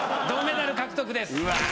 銅メダル獲得ですうわ